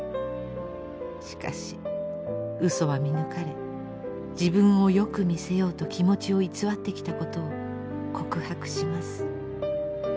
しかし嘘は見抜かれ自分をよく見せようと気持ちを偽ってきたことを告白します。